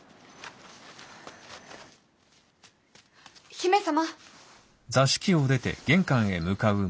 姫様。